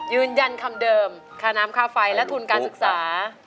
ยืนยันคำเดิมค่าน้ำค่าไฟและทุนการศึกษา